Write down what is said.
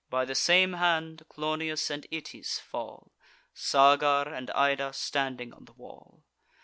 By the same hand, Clonius and Itys fall, Sagar, and Ida, standing on the wall.